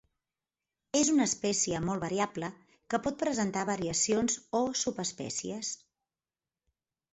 És una espècie molt variable que pot presentar variacions o subespècies.